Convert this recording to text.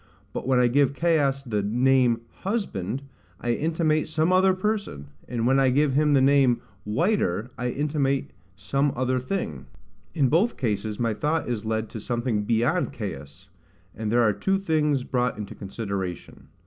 But when I give Caius the name HUSBAND, I intimate some other person; and when I give him the name WHITER, I intimate some other thing: in both cases my thought is led to something beyond Caius, and there are two things brought into consideration.